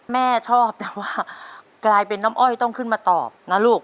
แม่ชอบแต่ว่ากลายเป็นน้ำอ้อยต้องขึ้นมาตอบนะลูก